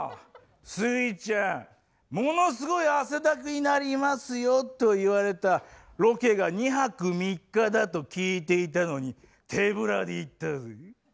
スギちゃん「ものすごい汗だくになりますよ」と言われたロケが２泊３日だと聞いていたのに手ぶらで行ったぜぇ。